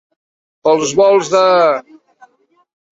Pels volts de.